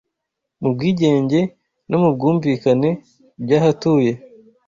Mu bwigenge no mu bwumvikane byahatuye